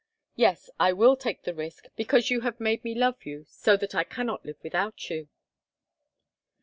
Yes, I will take the risk because you have made me love you so that I cannot live without you."